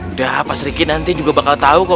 udah pak sri kiti nanti juga bakal tau kok